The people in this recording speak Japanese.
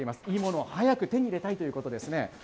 いいものを早く手に入れたいということですね。